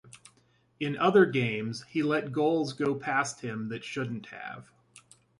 In other games, he let goals go past him that shouldn't have.